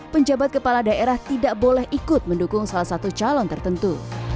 penjabat kepala daerah tidak boleh ikut mendukung salah satu calon tertentu